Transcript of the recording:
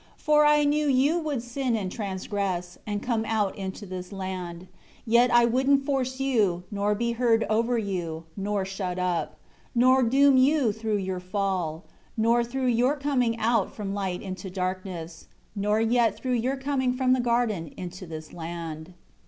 13 For I knew you would sin and transgress, and come out into this land. Yet I wouldn't force you, nor be heard over you, nor shut up; nor doom you through your fall; nor through your coming out from light into darkness; nor yet through your coming from the garden into this land.